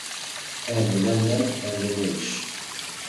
" Għinni Nemmen Għinni Ngħix "